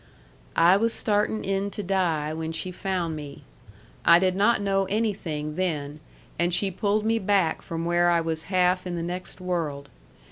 I was starting in to die when she found me. I did not know anything then, and she pulled me back from where I was half in the next world.